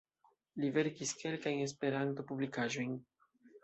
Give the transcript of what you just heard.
Li verkis kelkajn Esperanto-publikaĵojn.